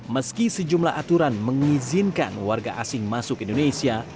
meski sejumlah aturan mengizinkan warga asing masuk indonesia